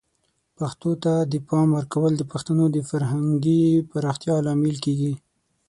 پښتو ته د پام ورکول د پښتنو د فرهنګي پراختیا لامل کیږي.